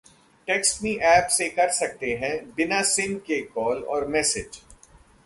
TextMe app से कर सकते हैं बिना सिम के कॉल और मैसेज